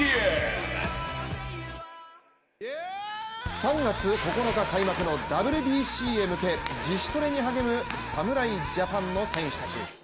３月９日開幕のＷＢＣへ向け自主トレに励む侍ジャパンの選手たち。